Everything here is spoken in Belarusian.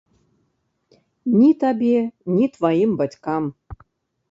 Ні табе, ні тваім бацькам.